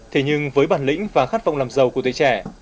thế nhưng với bản lĩnh và khát vọng làm giàu của tuổi trẻ